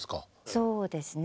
そうですね。